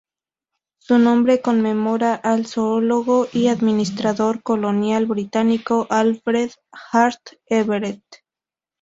Su nombre conmemora al zoólogo y administrador colonial británico Alfred Hart Everett.